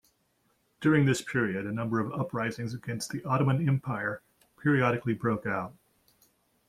During this period a number of uprisings against the Ottoman Empire periodically broke out.